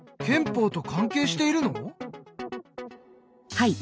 はい。